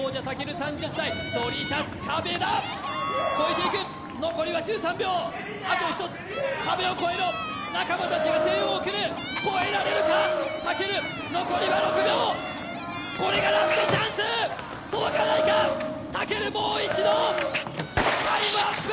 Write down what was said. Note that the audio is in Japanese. ３０歳残りは１３秒あと１つ壁を超えろ仲間達が声援を送る超えられるか武尊残りは６秒これがラストチャンスタイムアップ！